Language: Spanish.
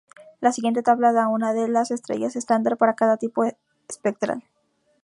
La siguiente tabla da una de las estrellas estándar para cada tipo espectral.